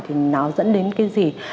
thì nó dẫn đến cái gì